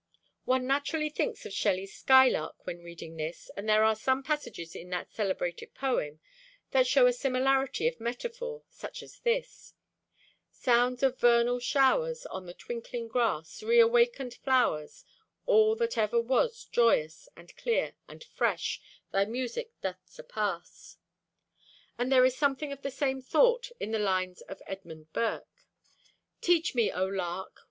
One naturally thinks of Shelley's "Skylark" when reading this, and there are some passages in that celebrated poem that show a similarity of metaphor, such as this: Sounds of vernal showers On the twinkling grass; Rain awakened flowers; All that ever was Joyous and clear and fresh Thy music doth surpass. And there is something of the same thought in the lines of Edmund Burke: Teach me, O lark!